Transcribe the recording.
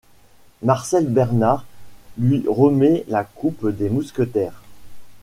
Marcel Bernard lui remet la coupe des Mousquetaires.